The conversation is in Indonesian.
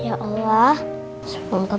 ya allah sepupu bapak gak sibuk terus